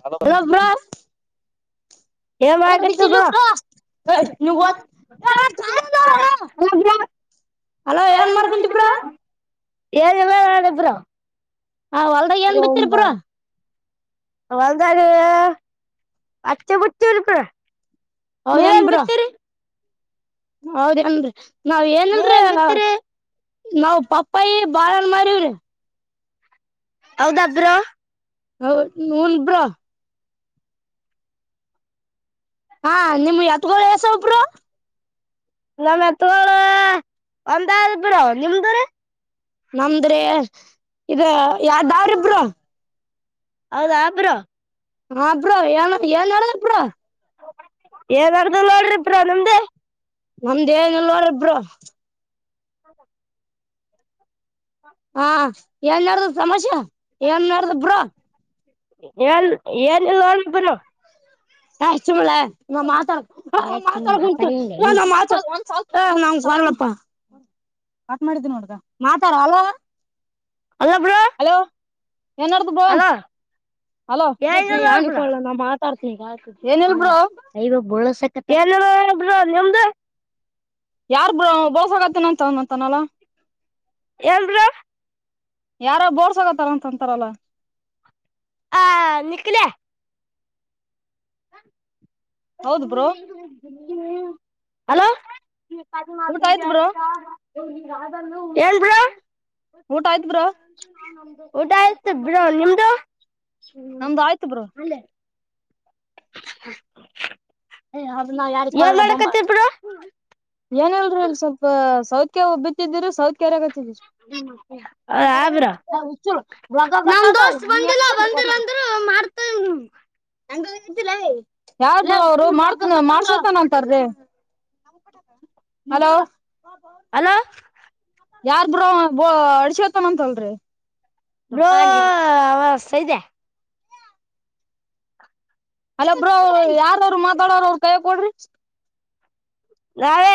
Hello bro, [unintelligible] [unintelligible] hello ಏನ್ ಮಾರ್ಕಟಿ bro [unintelligible] ಹ ಹೊಲ್ದಾಗ ಏನ್ ಬಿತ್ತರ್ ಬ್ರೊ ಅವಂತಾರೆ ಅಚ್ಚ [unintelligible] ನಿವ್ ಏನ್ ಬಿತ್ತಿರಿ ಹೌದೇನ್ರಿ ನಾವ್ ಏನಲ್ರೀ ನಾವ್ ಪಪ್ಪಾಯಿ ಬಾಳೆ ಹಣ್ಣು ಮಾಡಾರವ್ರೀ ಹೌದ ಬ್ರೊ [unintelligible] ಹಾ ನಿಮ್ ಎತ್ಗೆಲ್ ಹೆಸ್ ಬ್ರೊ [unintelligible] ನಿಮ್ದ್ರ ನಮದ್ರೆ ಇದ್ [unintelligible] ಬ್ರೊ ಹೌದಾ ಬ್ರೊ ಹಾಂ ಬ್ರೊ ಏನ್ ಹೇಳಿ ಬ್ರೊ ಏನರ್ದು ನೋಡ್ರಿ ಬ್ರೊ ನಿಮ್ದೇ ನಮ್ದೇನಿಲ್ಲ ರಿ ಬ್ರೊ ಹಾ ಏನ್ ನಡ್ದ ತಮಶೆ ಏನ್ ಮಾಡ್ದ ಬ್ರೊ ಎನ್ ಏನಿಲ್ಲ ನಾಷ್ಟು ಮಳೆ ನ ಮಾತಾಡ್ ಮಾತಾಆಡ್ ಕುಂತಿನಿ ಹ ನಮಪ್ಪ ಆಟ ಮಾಡಿದ್ದೀನಿ ನೋಡ್ದ ಮಾತಾಡ ಹೆಲೋ ಅಲ್ಲ ಹಲೋ ಏನ್ಡ್ದು ಬ್ರೊ ಹಲೋ [unintelligible] ಹ್ಮ ಅಯವಾಗ ಬುಳಸಕ್ ನಿಮ್ದ ಯಾರ್ ಬ್ರೊ ಬೋಸಗತ್ತಿನಂತ ಅಂತಾನಲ ಏನ್ ಬ್ರೊ ಯಾರ ಬೋರ್ಸ್ಗತ್ತಾರ ಅಂತ ಅಂತಾರಲ್ಲ ಹಾ ನಿಖಿಲೆ ಹಲೋ ಏನ್ ಬ್ರೊ ಊಟ ಆಯಿತ್ತು ಬ್ರೊ ನಿಮ್ದು ನಮ್ದು ಆಯ್ತು ಬ್ರೋ [unintelligible] ಏ ಹದ ನ ಯಾರಿ ಕ ಬಂಬ ಏನಿಲ್ಲ ರಿ ಸ್ವಲ್ಪ ಸೌತ್ ಕ ಒಬ್ಬತಿದ್ರು ಸೌತ್ ಕ ಯಾರಾಗತಿದ್ರರು ಹ ಬ್ರೋ ನಮ ದೋಸ್ತ್ ಬಂದಿಲ್ಲ ಬಂದಿಿಲ್ಲಂದ್ರ ತ ಹು ಅಂಗ ಯಾವುದೇ ಲೀ ಮಾಡ್ ಮಂಡ್ಸಂತ ಅಂತ ಲೀ ಅಲೋ ಯಾರ್ ಬ್ರೋ ಅಡ್ಸತನಂತಲ್ರಿ ಬ್ರೋ ಅವ ಸೈದಾ ಅಲ್ಲೊ ಬ್ರೋ ಯಾರವ್ರು ಮಾತಾಡೋರು ಅವ್ರ ಕೈ ಕೊಡ್ರಿ ನಾಳೆ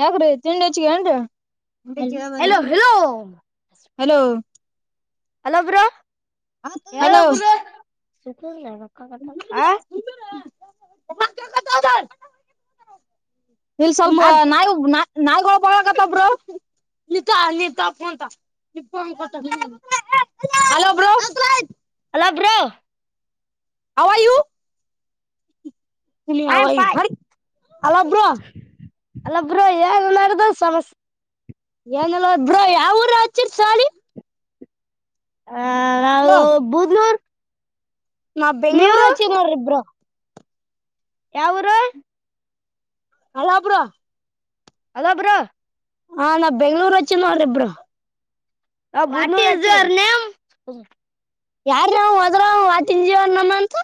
ಯಾಕ ರೀ ತಿಂಡಿ ಹೆಚ್ಚಿಗೆಂಟ hello hello hello hello bro ಹ ಅಲೋ ಸುಖಲ್ಲ ರಕ್ಕಾ ಕಥ ಹ ಮ [unintelligible] ಇಲ್ಲಿ ಸ್ವಲ್ಪ ನಾಯಿ ನಾ [unintelligible] ಇಲ್ಲಿ ಥಾ ಫೋನ್ ಥಾ hello bro hello bro how are you how are you hello bro hello bro ಹೇಗ್ ನಡದ ದ ಸಮಸ್ಯೆ ಏನಲ್ ಬ್ರೋ ಯಾವ ಊರ ಹಚ್ಚಿರ್ ಸಾಲಿ ಅಲೋ ನಾ ಬೆಂಗ್ಳೂರು ಹಚ್ಚಿನಿ ನೋಡ್ ಬ್ರೋ ಯಾವ ಊರು ಹಲೋ ಬ್ರೋ ಹೆಲೋ ಬ್ರೋ ಹಾ ನಾವ್ ಬೆಂಗ್ಳೂರ್ ಹಚ್ಚಿನೀ ನೋಡ್ರಿ bro what is your name ಯಾರ ಅವ ಹೋದ್ರ ಅವ ಆತಿನ ಜೀವ ನಮ್ಮ ಅಂತ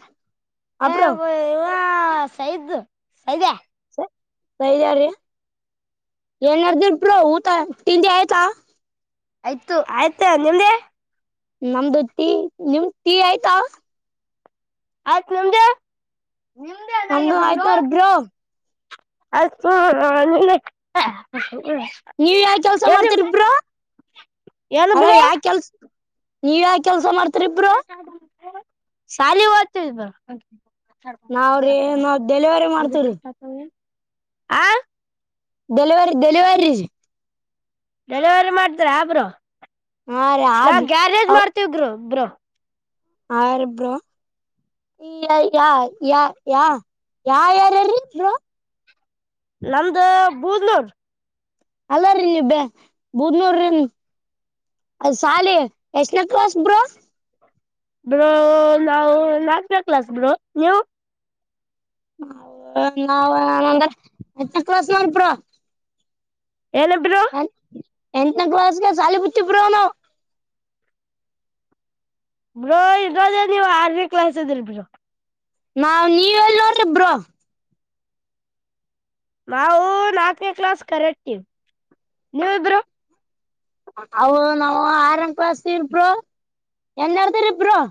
ಏ, ಇವ, ಸೈದು, ಸೈದ್ಯಾ. [unintelligible] ಹೇ, ಯಾರು, ಸೈದ್ಯ್ರಿ, ಏನಾರ್ದಿಬ್ರರು, ಊಟ, ತಿಂಡಿ ಆಯ್ತಾ! [unintelligible] ಆಯ್ತು, ಆಯ್ತಾ, ಮುಂಡೆ. [unintelligible] ನಮ್ದು ಟೀ ನಿಮ್ ಟೀ ಆಯ್ತಾ ಆಯ್ತು ನಿಮ್ದ ನಮ್ದು ಆಯ್ತು ನೋಡ್ ಬ್ರೋ ಆಯ್ತು [unintelligible] ನೀವ ಯಾವ ಕೆಲ್ಸ ಮಾಡ್ತರಿ ಬ್ರೋ ಅಲ ಯಾ ಕೆಲ್ಸ ನೀವ ಯಾವ ಕೆಲ್ಸ ಮಾಡ್ತರಿ ಬ್ರೋ ಶಾಲೆ ಓದ್ತೀವಿ ಬ್ರೋ ನಾವ್ ರಿ ನಾವ್ ಡೆಲಿವರಿ ಮಾಡ್ತಿವಿ ರಿ ಆ ಡೆಲಿವರಿ, ಡೆಲಿವರಿ, ರಿ. [inaudible] ಡೆಲಿವರಿ, ಮಾಡ್ರಿ ಆದರೆ, ನಾ ಗ್ಯಾರೇಜ್ ಮಾಡ್ತವರುಬ್ರು. [inaudible] ಅವರಿಬ್ಬರು. [inaudible] ಈ, ಯ, ಯಾ, ಯ, ಯಾರು, ಯಾರಾರಿ. [unintelligible] ನಮ್ಧು, ಬೂದ್ನೂರ್. [inaudible] ಅಲ್ಲ, ರೀ! ಇದು, ಬಿಡುಲುರಿನಿ ಅ, ಶಾಲೆ, ಎಸ್ಟನೆ, ಕ್ಲಾಸ್ಬ್ರೋ. [inaudible] ಬ್ರೋ, ನಾವು ನಾಕ್ಬೇಕಲಸ್! ಬ್ರೋ, ನೀವು. [inaudible] ನಾವು, ನಾವಂದ್ರ, ಹತ್ತನೇ, ಕ್ಲಾಸ್ ನೋಡುಬ್ರೋ. [unintelligible] ಏನುಬ್ರೋ! [unintelligible] ಎಂಟನೇ ಕ್ಲಾಸ್ಗೆ, ಶಾಲೆ ಬಿಟ್ಟವಿ, ಬ್ರೋ. [inaudible] ಬ್ರೋ, ಇಡ್ಯಾಗಿ, ನೀವು, ಆರನೇ, ಕ್ಲಾಸ್, ಇದೀರಿ, ಬ್ರೋ. [inaudible] ನಾವ್, ಇವಾಗ ನೋಡಿ ಬ್ರೋ. [inaudible] ನಾವು, ನಾಕನೇ ಕ್ಲಾಸ್ ಕರೆಕ್ಟ್, ನೀವಿಬ್ರು. [inaudible] ಅವು, ನಾವು, ಆರನೇ, ಕ್ಲಾಸ್ ಇದೀವಿ, ಬ್ರೋ, ಏನ್ ಮಾಡ್ತಾರಿ, ಬ್ರೋ? [inaudible]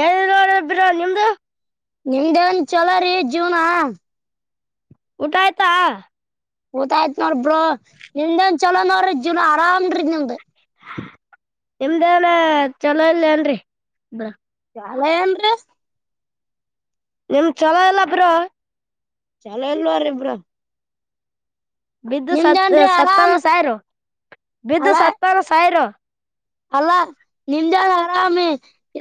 ಏನಿಲ್ಲ, ನೋಡ್ರಿ, ಬ್ರೋ ನಿಮ್ದು? [inaudible] ನಿಮ್ದೇನ್, ಚಲೋ, ರೀ ಜೀವನ. [inaudible] ಊಟಯ್ತಾ? [inaudible] ಊಟ, ಆಯ್ತ್, ನೋಡುಬ್ರೋ, ನಿಮ್ಧುಏನು, ಚಲೋ ನೋಡ್ರಿ ಜೀವನ, ಆರಾಮ್ರಿ, ನಿಮ್ದು. [inaudible] ನಿಮ್ದೇನು, ಚಲೋ, ಇಲ್ಲ ಅನ್ರಿ, ಬ್ರೋ. [inaudible] ಹಲೋ ಏನ್ರೀ. [unintelligible] ನಿಮ್ದು ಚಲೋ ಇಲ್ಲ ಬ್ರೋ. [inaudible] ಚಾಲೂ ಇಲ್ಲಾ ರಿ ಬ್ರೋ. [inaudible] ಬಿದ್ದು, ಸತ್ತೋಗ್ರೋ, ಸಾವಿರೋ, ಬಿದ್ದು ಸತ್ತೋಗ್ರು, ಸರೋ. [inaudible] ಅಲ್ಲಾ, ನಿಮ್ಧೆ, ಆರಾಮಿ,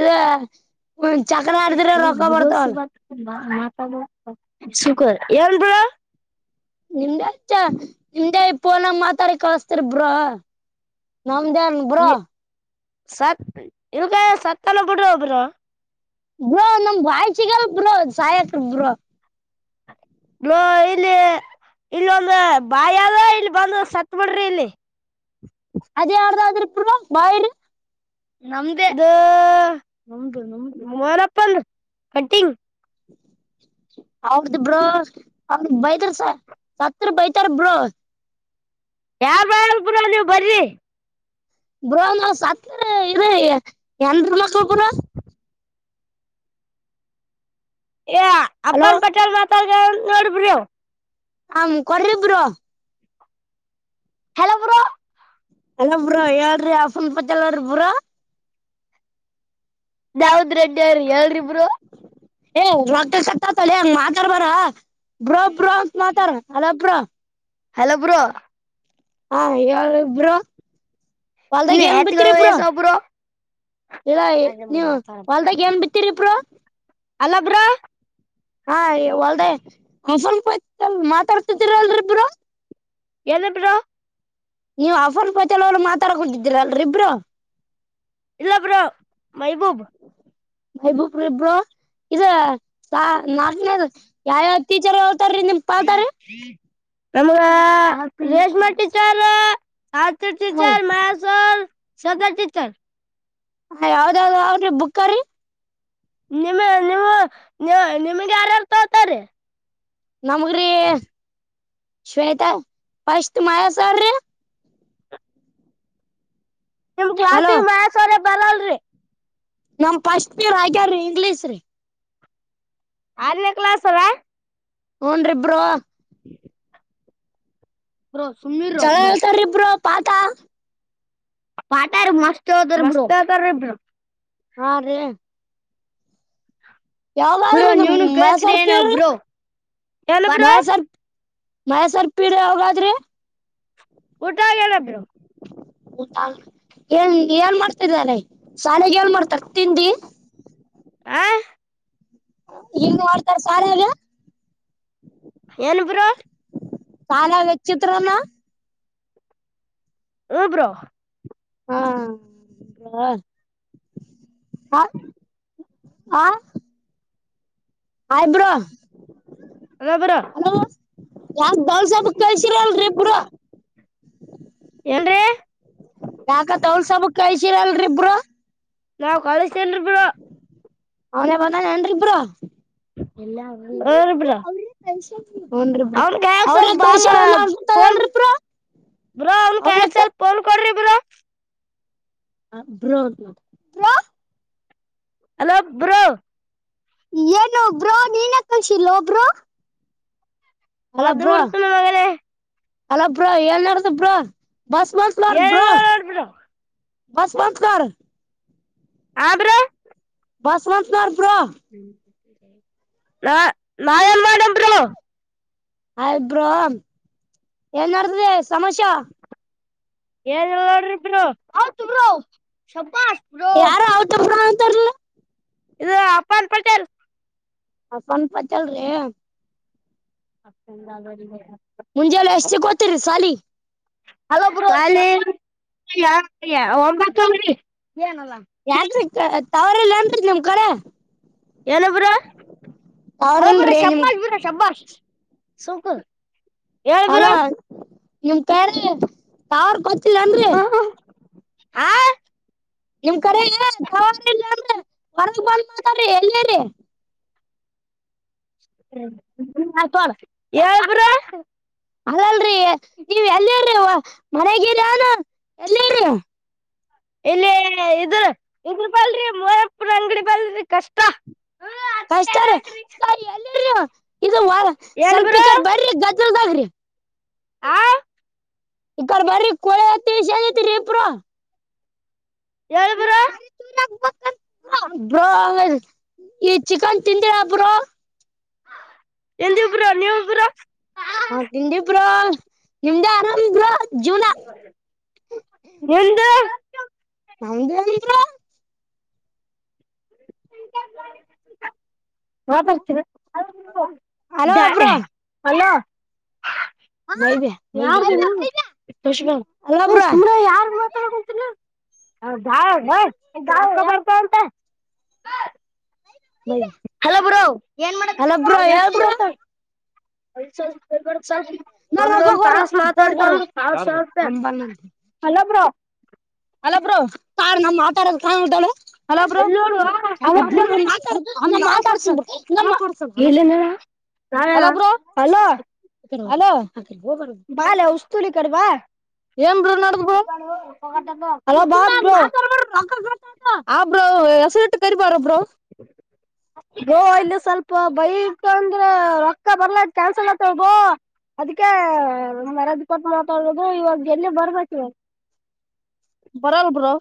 ಹೆ. [inaudible] ಹ್, ಜಗಳ, ಆಡಿದ್ರೆ, ರೊಕ್ಕ ಬರ್ತಾವಲ. [inaudible] ಆ, ನಲುಕು, ನಾಲ್ಕರ, ಏನು ಬ್ರೋ? [unintelligible] ನಿಮ್ಮಂತ, ಹಿಂದೆ ಫೋನಲ್ಲಿ, ಮಾತಾಡಿ ಕೇಳಿಸ್ತಾಯಿದೇ ಬ್ರೋ! [inaudible] ನಮ್ದೇನು ಬ್ರೋ. [inaudible] ಸರ್ ಇದಕ್ಕೆ, ಸತ್ತನು, ಬಿಡಿ ಒಬ್ಬರು. [inaudible] ಬ್ರೋ, ನಮ್ಮ, ರಾಯಚಿಯಲು, ಬ್ರೋ, ಸಾಯಕೆ ಬ್ರೋ. [inaudible] ಬ್ರೋ, ಇಲ್ಲಿ. [inaudible] ಇಲ್ಲೊಂದು, ಬಾವಿಯದೆ, ಇಲ್ಲಿ, ಬಂದು, ಸಾತುಬಿಡೀ ಇಲ್ಲಿ. [inaudible] ಆದರೆ ಯಾವುದಾದರೂ, ಇಬ್ಬರು, ಬಾ, ಇಲ್ಲಿ? [inaudible] ನಮ್ದೇ, ಅದು ನಮ್ದು, ನಮ್ದು, ಮೋರಪ್ಪಂದು ಕಟಿಂಗ್. [unintelligible] [inaudible] [unintelligible] ಅವ್ರದು, ಬ್ರೋ ಅವ್ರದ ಬೈತಾರ! ಸ, ಸತ್ರ ಬೈತಾರೆ, ಬ್ರೋ? [inaudible] ಯಾರು ಬೇಡ! ಬ್ರೋ ನೀವು ಬರ್ರಿ? [inaudible] ಬ್ರನ್ತ್ರ ಇರ ಎನ್ರ ಮಕ್ಳ ಬರ ಏ ಅಪ್ಪನ್ ಪಟೇಲ್ ಮಾತಾಡ ನೋಡ್ಬ ಹ ಮು ಕೊರರಿಿಬ್ರು ಸ್ವಲ್ಪ ತಡಿರಿ ಬ್ರೋ. [inaudible] ದಾವದ್, ರೆಡ್ಡಿ ಅವರು, ಹೇಳ್ರಿ, ಬ್ರೋ. [inaudible] ಏ, ರೊಕ್ಕ ಇತ್ತ ತಲೆ ಮಾತಾಡಬೇಡ! ಬ್ರೋ, ಬ್ರೋ, ಅಂತ, ಮಾತಾಡು, ಅಲ್ವ ಬ್ರೋ. [inaudible] Hello bro! [inaudible] ಹಾ ಹೇಳಿ ಬ್ರೋ! ಒಳದಾಗ ಏನು ಬಿದ್ದಿದ್ದೀರಿ ಬ್ರೋ. [inaudible] ಹೇ, ನೀವು, ಹೊಲಧ್ಗ, ಏನು, ಬಿತಿರಿ, ಬ್ರೋ? [inaudible] ಅಲ್ಲಬ್ರೋ. [inaudible] ಹಾ, ಹೊಲ್ದೇ, ಸ್ವಲ್ಪ ಹೊತ್ತು, ಅಲ್ಲಿ ಮಾತಾಡ್ತಿದೀರಿ, ಅಲ್ಲ ಬ್ರೋ. [inaudible] ಹೇಳಿಬ್ರೋ? [inaudible] ನೀವ್ ಆಫರ್ ಪತಿಲ್ಲ ಮಾತಾಡ ಕೂಟ್ಟಿದ್ದೀರ ಅಲ್ರಿಬ್ರು ಇಲ್ಲ ಬ್ರ ಮಹಬೂಬ್ ಬಬ ಇಬ್ರು ಇ ನಾಲ್ಕ ಯಾವ್ಯಾವೀಚರ್ ನಮ ರೇಶ್ಮಾಟಚಾರ್ ಆ ಟಿಚರ್ ಮಾಸರ್ ಸದ ಿಚರ್ ಹ ಯಾವ್ದಾವ್ದ ಅವ್ರಿ ಬುಕ್್ರಿ ನಿಮ್ಮ ನೀವು ನಿಮಗೆ ಯಾರಾರು ತೊತಾರೀ ನಮಗ್ರಿ ಶ್ವೇತಾ ಪಶತ್ ಮಾಯಸಲ್ರರಿ ನಿಮ್ ಕ್ಲಾ ಮ್ಯಾತ್ಸ್ವರೆ ಬರಲ್ರರಿ ನಮ ಫಸ್ಟ್ ಇರ್ ಹಾಗಗ್ಯಾರೀ ಇಂಗ್ಲೀಷ ರೀ ಆರ ಕ್ಲಾಸ್ ಅದಾ ಹನ್ರಿಬ್ರು ಬೋ ಸುಮೀರ್ ರೋ್ ಬೋ ಪಾಠ ಪಾಠಾರ ಮಸ್ತ್ ಹದ ಹಾ ರೀ ಯಾವ್ದಾದ್ರಿ ಮೈೆ ಸರ್ಪಿೀ ಮೆಸರ್ಪಿ ಮಯಸರ್ ಪೀಡ ಅವೋಗಾದ್ರಿ ಊಟ ಆನಬ್ರು ಹಊಟ ಏನ್ ಏನ್ ಮಾಡ್ತಿದ್ದಾನೆ ಶಾಲೆಗೆ ಏಳ್ ಮಾಡ್ತಾರ ತಿಂಡಿ ಆ ಇಲ್ಲಿ ಮಾಡಡ್ತಾರ ಸಾರ ಎಲ್ಲ ಏನು ಬ್ರ ಕಾಲ ವಚ್ಚಿತ್ರನು ಹ ಬ್ರೋ ಹಾ ಹ ಹ ಆಐಬ್ರೋ ಹಬರ ಯಾಕ ದೌಲ್ಸಬಕ್ ಕಳ್ಸಿಲ್ಲ ಅಲ್ರರಿ ಪುರಾ ಏನ್ರೀ ಯಾಕತ್ೌಲ್ಸಬಕ್ ಕಾಯಸೀರಲ್ರಿಬ್ರು ನಾವು್ ಕಾಲೇಜ ಅವನ ಬಂದ ಏನ್ರಿಬ್ರಾ ಹ ರಬ್ಬರಾ ಕ ಗಾಯಕ ಸ ಬಲ್ಫೋನ್ ಬ್ರೋ ಅವ್ ಕ್ಯೆ ಸ್ವಲ್ಪ ಫೋನ್ ಕೊಡ್ರಿ ಹ ಬ [unintelligible] ಬ್ರೋ ಹಲೋ ಬ್ರೋ ಏನು ಬ್ರೋ ನೀನ ಕಳ್ಸಿಲ್ವ ಬ್ರೋ ಅದು ಕೊಡ್ತನ ಮಗಲೆೇ ಅಲ ಬ್ರೋ ಲ್ ನಡ್ದ ಬ್ರ ಬಸ್ ಮಾತ್ ಮಾಡ ಬ್ರ ಬಸ್ ಮಸ್ಕಾರ ಹಬ್ರ ಬಸ್ವಂತ್ದ ನಾ ನಾಯಲ್ ಮಾಡಡ ಪ್ರ ಆಯಬ್ರೋ ಏನ್ ಮಾಡಡ್ತದೆ ಸಮಸ್ಯ ಎ ತು ಯಾರು ಅವತ್ರ ಇದು ಅಪ್ಪಾನ್ ಪಟೇಲ್ ಹ [unintelligible] ಸ್ನ್ಪಚಲ್ರಿ ಅಪ್ಪೆಲ್ಲ [unintelligible] ಮುಂಜೆ ಎಲ್ಲ ಎಷ್ಟು ಗೋತಿರಿ ಸಾಲಿ ಹಲೋ ಬ್ರೋ [unintelligible] ಯಾಕ್ರೀ ತವರಿಲ್ಲ [unintelligible] ನಿಮ ಕಡೆ ಎಲ್ಲ ಬ್ರೋ [unintelligible] ಶಬಾಷ್ ಬೀರಾ ಶಬಾಷ್ ಸುಕ [unintelligible] ಅಲ ನಿಮ ಕೇರೆ ತಾವರ್ ಗೊತ್ತಿಲ್ಲ ಅನ್ರಿ ಆ ನಿಮ್ ಕರ [unintelligible] ಆಯ್ತಳಬ್ರ [unintelligible] ಹೇಳು ಬ್ರೋ ಅಲ್ಲ ಹ [unintelligible] ಮನೆಗರ ಎಲ್ಲಿ [unintelligible] ಇಲ್ಲಿ ಇದ್ರ ಇದ್ರ ಬಲ್ರಿ ಮೂರಪ್ಪ ಅಂಗಡಿ ಬಲ್ರಿ ಕಷ್ಟ ಇದುಳ ಸ್ವಲ್ಪಿಕಾರ್ ಬರ್ರಿ ಗದ್ರದಾಗ್ರಿ ಆ ಈರ್ ಬಾರಿ ಕೊಳತಿರಿ ಪುರಾ [unintelligible] ಹೇಳು ಬ್ರೋ ಬ್ರೋ ಈ ಚಿಕನ್ ತಿಂದಿ ಬ್ರೋ ಎಂದ ಬ್ರೋ ನೀವು ಬ್ರೋ ಹಾ ತಿಂಡಿ ಬ್ರೋ ನಿಮ್ದೇ ಆರಾಮ್ರ ಎಂದ. ಹಂಗೇನಿಯಾ ಹ ಬ [unintelligible] ಅಲ್ಲಹಲೋ. ಯಾರ್ದಷಗ ಏ ಸುಮ್ರ ಯಾರ್ದು ಮಾತಾಡಂತಿಲ್ಲ ಹ ದಾ [unintelligible] ಹಲ ಬೋ ಏನ್ ಮಾಡಕತಿ ಬ್ರೋ ಒಮ ಒಂದ್ ತಾಸ ಮಾತಾಡಿದ ಸಾವರ್ ಸತ ಹಲ ಬ್ರೋ ಹಲೋ ಬ್ರೋ ಕ ನಮ್ ಮಾತಾಡದು್ದಾಳು ಹಲೋ ಬ್ರೋ ಮಾತಾ ಮಾತಾಡ್ ಮಾತಾಡ್ಸಲ ನ ಹಲೋ ಹಲೋ ಬಾಲ ಉಸ್ತೂಲಿ ಕಡವಾ ಏನ್ ನಡ ಮಾತಾಡ್ [unintelligible] ಆ್ರ [unintelligible] ಬ್ರೋ ಇಲ್ಲಿ ಸ್ವಲ್ಪ ಬೈಕ್ ತಂದ್ರೇ ರೊಕ್ಕ ಬರ್ಲಾತ್ ಕ್ಯಾನ್ಸಲ್ ಅತವ್ಳ್ಬೋ ಅದಕ್ಕೆ ಮರದ ಕೊಟ್ಟ ಮಾತಾಡಬೋದು ಇವಾಗ ಏಲ್ಲಿ ಬರ್ಬೇಕವ್ ಬರಲ್ ಬರೋ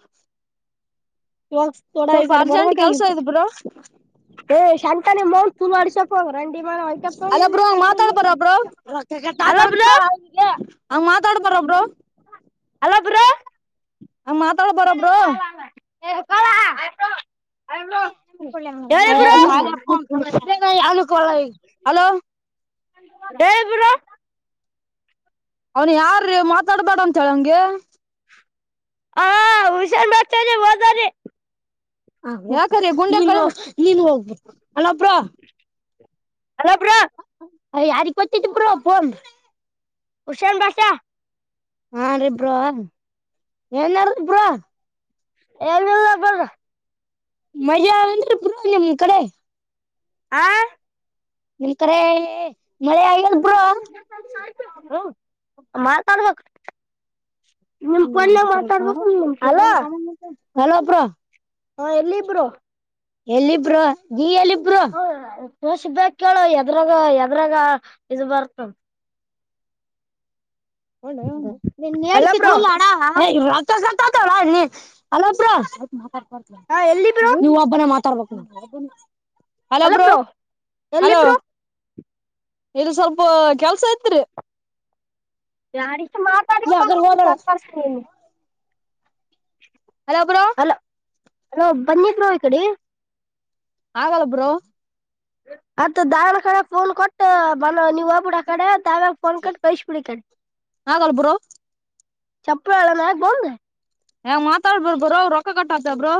ಇವಾಗ ೋಡ ಈ ಕಡೆ ಬರವ ಕ [unintelligible] [unintelligible] [inaudible] ತಾತ ಅಂತಿಗೆ ಹಂಗ ಮಾತಾಡ್ಬಾರೊಬ್ರು ಹಲೋ ಬ್ರೋ ಆ ಮಾತಾಡ್ ಬ್ಯಾಡ ಬ್ರೋ ಹ ಕ [unintelligible] ಅೂಕ ಹಲೋ [unintelligible] ೇವೆ ಬ್ರೋ ಅವನ್ ಯಾರೀ ಮಾತಾಡ್ಬೇಡ ಅಂತ ಹೇಳಂಗೆ ಹಾ ಹುಷಾರ್ ಮಾಡತದ ರ ಹ ಯಾಕ್ರ ಗುಂಡೆ ನೀನು ನೀ ಹೋಗ್ಬ ಹಲೋ ಬೋರೊ ಹಲೋ ಬ್ರೋ ಅ ಯಾರ ಕೊಟಿದೇ ಬ್ರೋ ಫೋನ್ ಹುಷ್ಯನ್ ಭಷಾ ಹಾ ರೀ ಬ್ರೋ ಏನ್ ಆತ್ ಬ್ರೋ ಎನಿಲ್ಲ ಬ್ರೋ ಮರಿ ಅವೇನ್ ಅಂದ್ರಿ ಬ್ರೋ ನಿಮ್ ಕಡೆ ಆ ನಿಮ್ಕಡೇ ಹೇ ಮಾತನಾಡಬೇಕ್ ನಿಮ್ ಫೋನ್ಗ ಮಾತಾಡ್ಬೇಕು ಹಲೋ ಹಲೋ ಬ್ರೋ ಹಾ ಎಲ್ಲಿ ಬ್ರೋ ಅ ಎಲ್ಲಿ ಬ್ರೋ ನೀ ಎಲ್ಲಿ ಬ್ರೋ ಏಸ್ ಬೇಕ್ ಹೇಳು ಎದ್ರಾಗ ಎದ್ರಾಗ ಇದು ಬರ್ತ ನೋಡ್ ನಿ ಏಡತಿ ತುಲ್ಲ ಅಣ ರಾ ಅತಣ ನೀ ಹಲೋ ಬ್ರೋ ನೀ ಒಬ್ಬನ ಮಾತಾಡ್ಬೇಕು ಹಲೋ ಬ್ರೋ ಹಲೋ ಇಲ್ಲಿ ಸ್ವಲ್ಪ ಕೆಲ್ಸ ಐತ್ರಿ ಯಾರ ಇಷ್ಟು ಮಾತಾಡಕ್ಕೆ ಬ ನೀ ಹಲೋ ಬ್ರೋ ಹಲೋ ಬನ್ನಿ ಬ್ರೋ ಈ ಕಡಿ ಹಾಗಲ್ಲ ಬ್ರೋ ಅತ್ತ ದಲ್ ಕಡೆ ಫೋನ್ ಕೊಟ್ಟು ಬ ನೀವ್ ಹೋಗ್ಬಿಡು ಆ ಕಡೆ ತಾವ್ ಫೋನ್ ಕೋಟು ಕಲಸ್ ಪುಡು ಇಕಡೇ ಚಪ್ಪಳವಾ ಮಾಗ ಬಂದು ಏ ಮಾತಾಡ್ಬ ಬ್ರೋ ರೊಕ್ಕ ಕಟ್ಟ ಆತ ಬ್ರೋ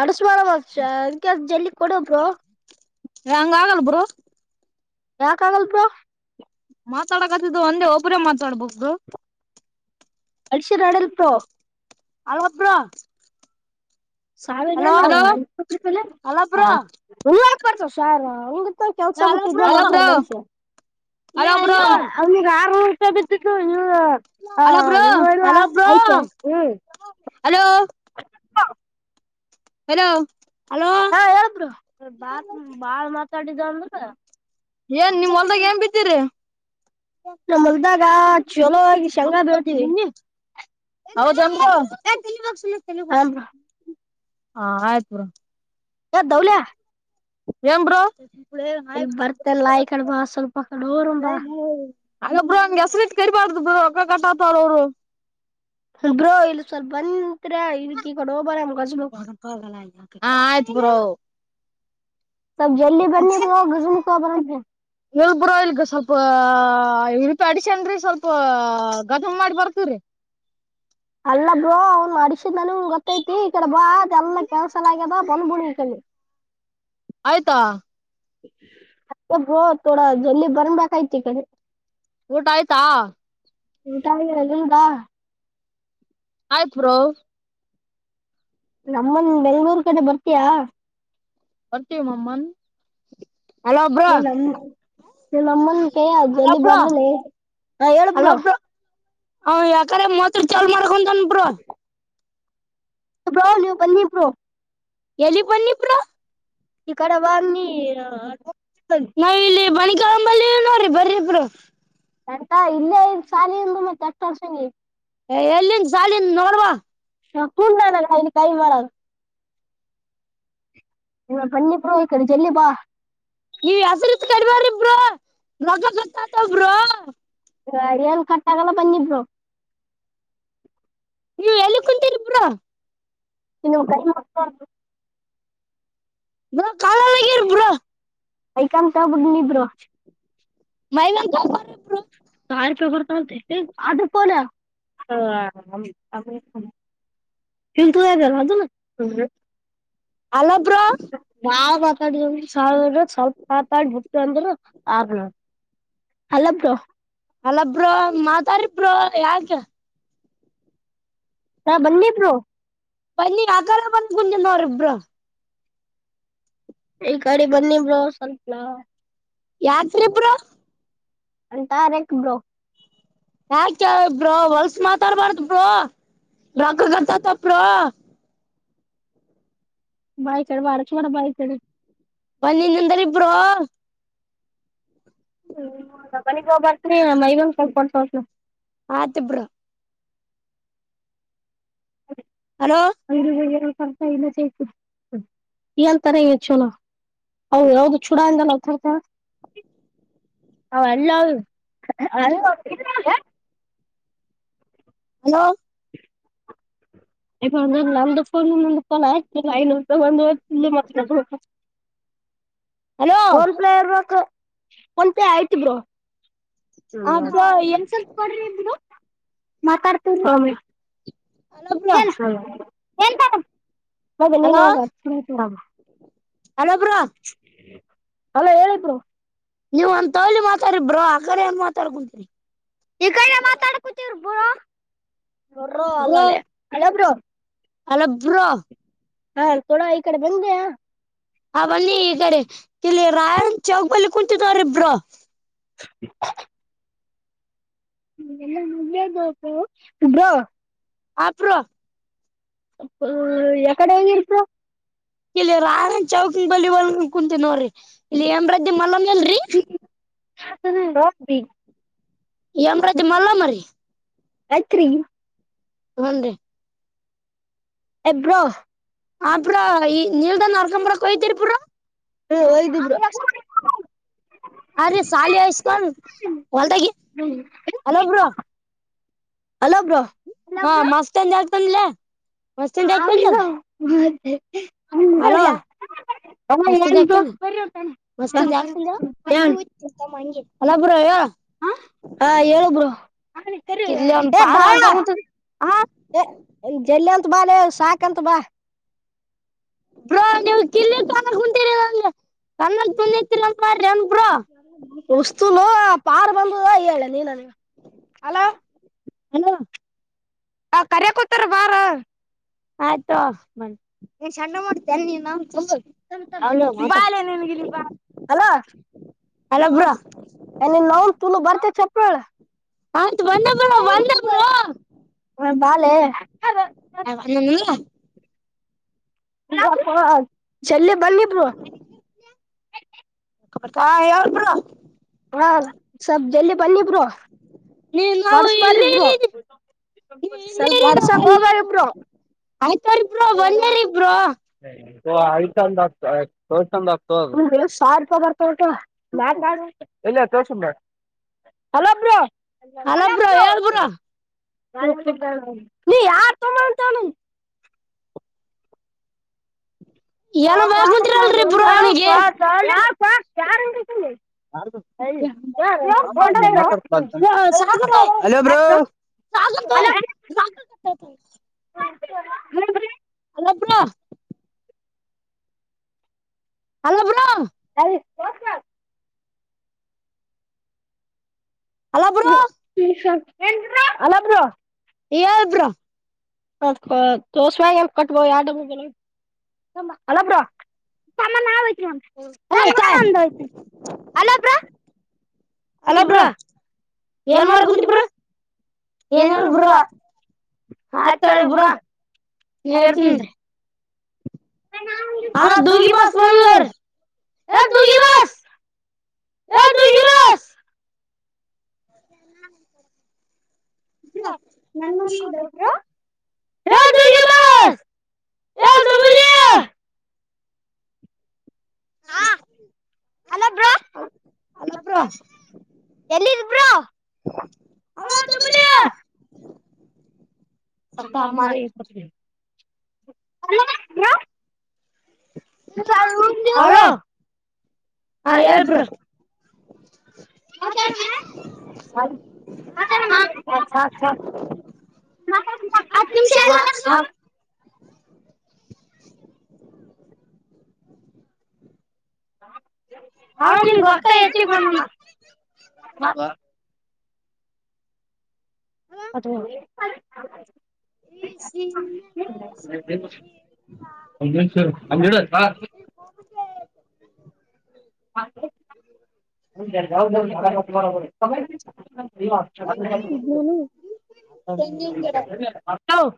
ಅಡಸು ಮಾಡಾರ ಮಾಡಷ ಅದಕ್ಕೆ ಜಲ್ಲಿ ಕೊಡುವ ಬ್ರೋ ಹಂಗ ಆಗಲ ಬ್ರೋ ಯಾಕ್ ಆಗಲ್ಲ ಬ್ರೋ ಮಾತಾಡಕತಿದ್ದು ಒಂದೇ ಒಬರೇ ಮಾತಾಡ್ಬೇಕು ಬ್ರೋ ಅಳಶಿರ್ ಅಳಲ್ ಬ್ರೋ ಅಳಒಬ್ಬಳು ಸಾವಿರ ನಾನ ಇಪ್ಪತ್ತು ರೂಪಾಯಿ ಸಾ ಹಂಗಕ್ರ್ತ ಸಾರ್ ಕೆಲ್ಸ ಬಿಟ್ಟ ಇದ ಮಾಡ್ಕೊಂಡ ಮನ್ಷ್ಯು ಅವನಿಗ್ ಆರ್ ಬು ನೀವು ಆ ನೀವವಾ ಆಯ್ತೇ ಹ್ಮ್ ಹ ಹ ಹಲೋ ಹಾ ಯಾವ್ರು ಬಾತ್ ಬಾಳ್ ಮಾತಾಡಿದ ಅಂದ್ರ ಏನ್ ನಿ್ ಹೊಲ್ದಾಗ ಏನ್ ಬಿಿದ್ದೀರಿ ನಮ್ ಹೋಲ್ದಾಗ ಚೊಲೋ ಆಗ ಶಂಗಾ ಬೆೀಳ್ತೀವಿ ಹೌದ ಹ ಬ್ರೋ ಹಾ ಆಯ್ತ ಬ್ರೋ ಏ ದೌಲಯ ಏನ್ ಬ್ರೋ ಇಲ್ಲಿ ಬರ್ತಲ್ಲ ಇಕಡೇ ಬಾ ಸ್ವಲ್ಪ ಅಲ್ಲ ಬ್ರೋ ಹಂಗೆ ಹೆಸರಿತ್ ಕರಿಬಾರ್ದು ಬ್ರೋ ರೊಕ್ಕ ಕಟಾತ್ ನೋಡ್ ಹ ಬ್ರೋ ಇಲ್ಲಿ ಸ್ವಲ್ಪ ಬಂದ ಎ ಆಕಿ ರ ಕೀ ಕೊಡೋಬರ ಮುಖಜಬೇಕ್ ಹಲ್ ಬುರಲ್ಲಿ ಗಸ ಇ ರೂಪಿ ಅಡಶನ್್ರೀ ಸ್ವಲ್ಪ ಗದಮ ಮಾಡಿ ಬರ್ತವ್ರಿ ಅಲ್ಲ ಬ್ರೋ ಅವ್ನ್ ಮಾಡ ನನ ಗೊತ್ತೈತಿ ಈ ಕಡೆ ಬಾ ಎಲ್ಲ ಕೆಲ್ಸ ಆಗ್ಯದ ಬಂದ್ಬಿಡ ಕ ಆಯ್ತಾ ಭ ಥೋಡ ಜಲ್ಲಿಲ್ಲಿ ಬರೊಂಡ ಬಖಾಯತಿ ಕಡೆ ಊಟ ಆಯ್ತಾ ಊಟ ಎಲ್ಲಂಗಾ ಆಯ್ತ್ು ಬ್ರೋ ನಮ್ಮನ್ ಬೆಂಗ್ಳೂರ್ ಕಡೆ ಬರ್ತಯಾ ಬರ್ತೀವಿ ಮಮ್ಮನ್ ಹಲೋ ಒಬ್ರ ಚಲ ಅಮ್ಮನ್ ಕ ಜಲ್ದಿ ಬಂದ್ರಲ್ಲ ಹಾ ಹೇಳಬ ಹ್ ಯಾಕ್ರ ಮತ್ ಚಾಲ್ ಮಾಡ್ಕೊಂತನ್ ಬ್ರ ಬ್ರೋ ನೀವು ಬನ್ನಿ ಬ್ರೋ ಎಲಿಿ ಬನ್ನಿಪಾ ಕಾವ ನೀ ಲ್ಲಿ ನೋಡ್ರಿ ಬರ್ರಿಬರು ಎಂಟಾ ಇಲ್ಲೇ ಶಾಲಿಂದು ಮತ್ತೆ ಎಷ್ಟ ವರ್ಷನ ಎಲ್ಲಿಂದ ಸಾಲನ್ ನೋಡ್ವಾ ಹಕೂಡ ನಾನ ಕ ಕಿ ಮಾಡರ ನಿ ಪನ್ನಿ ಪರ ಕ ಚಲ್ಲಿಿಪಾ ನೀ ಹೆಸರುತ್ ಕಡವಾರ ಇಬ್ರ ರಗ ಗೊತ್ತಾತಬ್ರ ಗಾಡಿಯಲ್ಲಿ ಕಟ್ಟಾಗಲ್ಲ ಬಂದಿದ್ರು ನೀ ಎಲ್ಲಕ್ಕಂತರಿಬು್ರಾ ಇ ನ ಕ ಐಕಾಮ ತಬದು ನಿಿದ್ರ ಮೈಂತಬಬ್ರು ಹಾ ಶ ತು ಯತ ಅದುು ಅಲ್ಲಬ್ರ ನಾ ಬತ ಸ ಸ ಸಾತ ಭಕ್ತ ಅಂತಲ್ಲ ಆ ಅಲ್ಲಭ ಅಲ್ಲಬ್ರ ಮಾತಾರಿಬರು ಯಾಕ ಸ ಬನ್ನಿ ಪ್ರೋ ಪನ್ನಿ ಆಕಾರ ಬನ್ನಿ ಕುಜನರಿಬ್ರಾ ಈ ಗಾಡಿ ಬಂದಿಬ್ರರು ಸ್ವಲ್ಪ ಯಾಕ್ರೀ ಬ್ರೋ ಒಂದ್ ತಾರಕ್ ಬ್ರೋ ಯಾಕೆ ಬ್ರೋ ಹೊಲ್ಸ ಮಾತಾಡ್ಬಾರ್ದ ಬ್ರೋ ರಕುಗಂತ ತ ಅಪರ ಬಾಯ್ತಳ ಬಾರ ಚು ಮಾರ ಬಾಯ್ತಡೆ ಬಂದನ್ಂದ್ರ ಇಬ್ರು ಹ್ಮ ಬ ಬರ್ತನ ಮವಂಗ ಸ್ವಲ್ಪಡ್ೋ ಹ ತಿಬ್ರಾ ಅ ಲ್ಲ ಏನ್ ತರ ಚಲ ಹೌದು ಹಾವದು ಚೂಡ ಅಂದ ನಾವ ತರ್ತೇವೆ ಹ ಅಲ್ಲದು ಹಲೋ ನಿದೊಂದು ನಮ್ಮದಕ್ಕೋ ನಿಮ್ಮದಕ್ಕೋ ರೈ ಅಂತು ತಗೋ [inaudible] ಹೋಲ್ ಪೇ ಇರ್ಬೇಕು ಫೋನ್ ಪೇ ಐತಿ ಬ್ರೋ ಅನ್ಸರ್ ಕೊಡ್ರಿ ಬ್ರೋ ಮಾತಾಡ್ತೇ ಸ್ವಾಮಿ ಹಲೋ ಬ್ರೋ ಹೌದ ನೀನ್ ಯಾಕ್ ಅಷ್ಟಬೇಡಾ ಹಲೋ ಬ್ರೋ ಹಲೋ ಹೇಳಿ ಬ್ರೋ ನೀವ್ ಒಂದ ತೌಳಿ ಮಾತಾಡಿಬ್ರೋ ಆಕಡೆ ಏನ್ ಮಾತಾಡ್ ಬೇಕು ಈಕಡೆ ಮಾತಾಡಾಕತ್ತಿದ್ರು ಬ್ರೋ ಬ್ರೋ ಅಲ್ಲ ಲೆ ಹಲೋ ಬ್ಬ್ರೋ ಹಾ ತೋಡ ಈ ಕಡೆ ಹೆಂಗೆ ಅವಲ್ಲಿ ಈಗಡೆ ಇಲ್ಲಿ ರಾಯ ಚೌಕ್ ಬಲ್ಲಿ ಕುಂತಿದವ್ರ ಬ್ರೋ ಟಿಕೆಟ್ಕ್ ನಂಗ ಇಗ ಇಲ್ಲೆ ಬೇಕು ಆಪ್ರೊ ಇ ಪ್ರೊ ಏಕಡೆ ಇಳೀರಿ ಪ್ರೊ ಇಲ್ಲಿ ರಾನ ಚೌಕ ಬಳಿ ಬಂದ್ ಕುಂತನಿ ನೋಡ್ರಿ ಇಲ್ಲಿ ಹೆಮರೆಡ್ಡಿ ಮಲಮ್ಮ ಇಲ್ಲರಿ ಚಾ ಕುಡಿನು ಹಾಕಬಿ ಹೇಮ ರೆಡ್ಡಿ ಮಲ್ಲಮ್ಮ ರಿ ಆಯತ್ ರಿ ಹು ನಡ್ರಿ ಹೈ ಬ್ರೋ ಹಾ ಬ್ರೋ ಇ ನಿಲ್ದ ನಡಕೊಂಡುಬರಾಕ್ ಹೋಗಿದ್ರಿ ಬ್ರೋ ಹು ಹೋಗಿದ್ವಿ ಬ್ರೋ ಅರೆ ಶಾಲಿಯಸ್ಕೊಂಡ್ ಹೊಲ್ದಾಗಿ ಹಲೋ ಬ್ರೋ ಹಲೋ ಬ್ರೋ ಲಬ್ರೋ ಹುನ ಲೆ ಹಾ ಬ್ರೋ ಮತ್ತೆ ಹಲೋ ಮಸ್ತ ದಾಯಾತಲ್ ಮಾಸ್ತದ ಯಾರ್ ತಂದಾರ ಅಂಗಡಿಗೆ ಹೋಗ ತಂದೆ ಹಂಗೆ ಹಲ್ಲೋ ಬ್ರೋ ಹೇಳ್ ಆ ಹಾ ಹೇಳು ಬ್ರೋ ಹಂಗ ಕರಿ ದಾಳ ಎ ಜಲ್ಲಿ ಅಂತ ಬಾ ಲೆ ಸಾಕಂತ ಬಾ ಬ್ರೋ ನೀವು ತಿಲ್ಲಿ ತೊಂಡಕುಂತಿರಿಯಲ್ಲ ನನಗ ತಿಲ್ಲಿ ತಿನ್ನಕ್ ಮಾಡಿ ವಸ್ತುಲು ಪಾರ್ ಬಂದದ ಹೇಳ ನೀ ನನ ಅಲ ಹಲೋ ಅ ಕರ್ಯಕೂತಾರ ಬಾರ ಆಯ್ತೋ ಬನ್ನಿ ಸಣ್ಣ ಮಾಡಡ್ತೇನೆ ನೀನ್ನವುನ್ [unintelligible] ಹಲೋ ಬಾ ಎ ನಿನ್ನವನು ತುಲ್ಲು ಬರ್ತೇತಿ ಆತ್ ಬಂದೆ ಬ್ರೋ ಬಂದೆ ಬ್ರೋ ಬಾ ಲೆ [unintelligible] ಇಲ್ಲಾ ಪಾ ಜಲ್ಲಿ ಮಲ್ಲಿಗೆ ಬ್ರೋ ಕಪಟ ಹೇಳ ಬ್ರೋ ಹಾ ಸ್ವಲ್ ಜಲ್ಲಿ ಬನ್ನಿ ಬ್ರೋ ಹೊಡ್ಸ ಬಾರ ಇ ಬ್ರು ಸ್ವಲ್ಪ ಹೊಡ್ಸಕಗೋಬಾಡರಿ ಇಬ್ರು ಆಯ್ತೋರಿ ಬ್ರೋ ಬಂದೇಲಿ ಬ್ರೋ [unintelligible] ಸಾವಿರ ರೂಪಾಯ ಬರ್ತವ ಅಕ್ಕ [inaudible] [unintelligible] hello bro [unintelligible] [inaudible] [unintelligible] [unintelligible] [unintelligible] hello bro hello bro [unintelligible] [unintelligible] hello bro ಹೇಳ ಬ್ರೋ ಅದಕ K S Y M ಕಟ್ಬೋ [unintelligible] hello bro [unintelligible] [unintelligible] hello bro ಏನ್ ಮಾಡಾಕುಂತ್ತೀ ಬ್ರೋ [unintelligible] ಬ್ರೋ ಆಯ್ತಳ ಬ್ರೋ ಇಡ್ತೀನಿ [unintelligible] ಎ ದುಗಿ ಬಾಸ್ [unintelligible] [unintelligible] ಹಲೋ [unintelligible] [inaudible] [unintelligible] ಹಲೋ ಹೇಳ್ ಬ್ರೋ [unintelligible] ಹತ್ತ್ ನಿಮಿಷ [unintelligible] [inaudible] [unintelligible] [unintelligible] [unintelligible] ಈ ಸಿಹಿಮೆಗೆ ಶಿವ [inaudible] [inaudible] [inaudible]